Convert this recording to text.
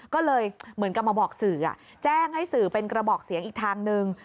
ก็เลยเหมือนกับมาบอกสื่อแจ้งให้สื่อเป็นกระบอกเสียงอีกทางนึง